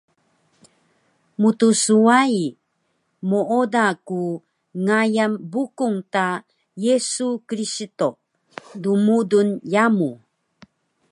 Mtswai, mooda ku ngayan Bukung ta Yesu Kiristo dmudul yamu